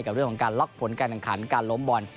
เรื่องของการล็อกผลการแข่งขันการล้มบอล